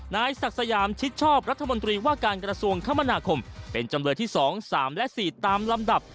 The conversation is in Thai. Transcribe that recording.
นายศักดิ์สยามชิดชอบรัฐมนตรีว่าการกระทรวงคมนาคมเป็นจำเลยที่๒๓และ๔ตามลำดับ